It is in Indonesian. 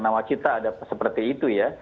nawacita ada seperti itu ya